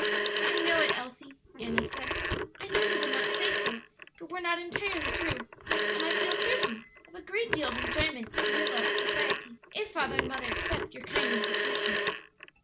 "I know it, Elsie," Annis said; "I know you would not say so if it were not entirely true, and I feel certain of a great deal of enjoyment in your loved society, if father and mother accept your kind invitation."